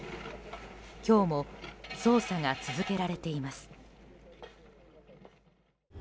今日も捜査が続けられています。